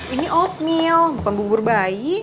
ini oatmeal bukan bubur bayi